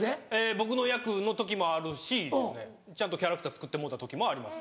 僕の役の時もあるしちゃんとキャラクター作ってもろうた時もあります。